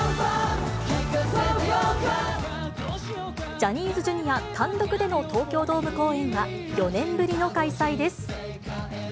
ジャニーズＪｒ．単独での東京ドーム公演は、４年ぶりの開催です。